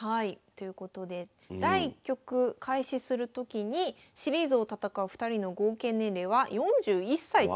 ということで第１局開始する時にシリーズを戦う２人の合計年齢は４１歳と。